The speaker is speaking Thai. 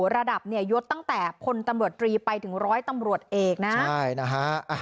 ระดับยดตั้งแต่คนตำรวจตรีไปถึง๑๐๐ตำรวจเองนะ